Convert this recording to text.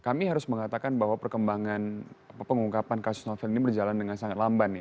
kami harus mengatakan bahwa perkembangan pengungkapan kasus novel ini berjalan dengan sangat lamban